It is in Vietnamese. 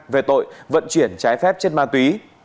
về tội vận chuyển trái phép trên ma túy